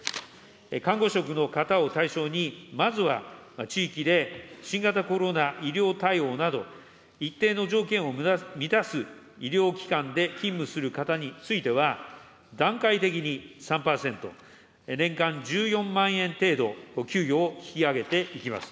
看護職の方を対象に、まずは地域で新型コロナ医療対応など、一定の条件を満たす医療機関で勤務する方については、段階的に３％、年間１４万円程度給与を引き上げていきます。